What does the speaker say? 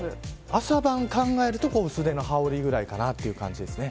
朝晩を考えると薄手の羽織ぐらいかなという感じですね。